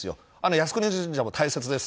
靖国神社も大切です。